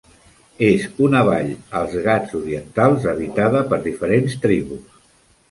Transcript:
És una vall als Ghats Orientals habitada per diferents tribus.